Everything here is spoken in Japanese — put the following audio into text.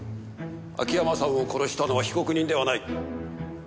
秋山さんを殺したのは被告人ではない。